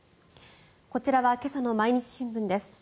こちらは今朝の毎日新聞です。